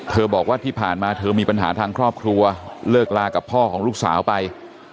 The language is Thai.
บอกว่าที่ผ่านมาเธอมีปัญหาทางครอบครัวเลิกลากับพ่อของลูกสาวไป